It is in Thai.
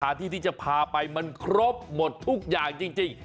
ที่ที่จะพาไปมันครบหมดทุกอย่างจริง